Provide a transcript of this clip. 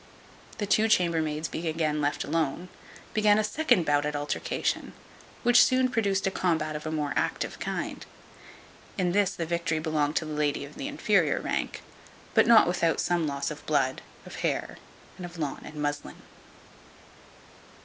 The two chambermaids being again left alone, began a second bout at altercation, which soon produced a combat of a more active kind. In this the victory belonged to the lady of inferior rank, but not without some loss of blood, of hair, and of lawn and muslin.